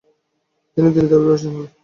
তিনি দিল্লীতে অভিবাসী হন।